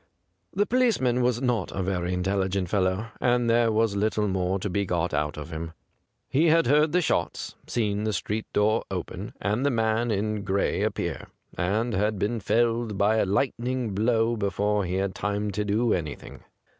The policeman was not a very intelligent fellow, and there was little more to be got out of him. He had heard the shots, seen the street door open and the man in 186 THE GRAY CAT gray appear, and had been felled by a lightning blow before he had time to do anything.